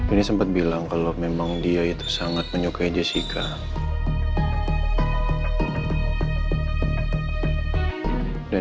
ini sempat bilang kalau memang dia itu sangat menyukai jessica dan